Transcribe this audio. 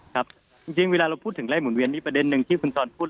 ครับจริงเวลาเราพูดถึงไล่หุ่นเวียนนี่ประเด็นหนึ่งที่คุณจรพูด